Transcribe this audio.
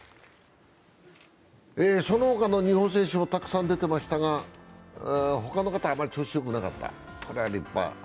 そのほかの日本選手もたくさん出ていましたが、他の方はあまり調子よくなかった。